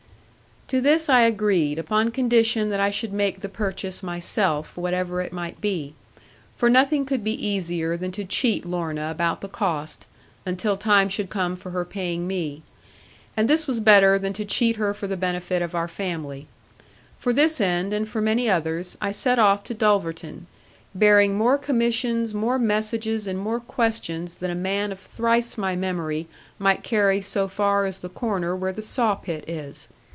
To this I agreed, upon condition that I should make the purchase myself, whatever it might be. For nothing could be easier than to cheat Lorna about the cost, until time should come for her paying me. And this was better than to cheat her for the benefit of our family. For this end, and for many others, I set off to Dulverton, bearing more commissions, more messages, and more questions than a man of thrice my memory might carry so far as the corner where the sawpit is.